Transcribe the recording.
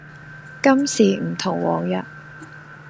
今時唔同往日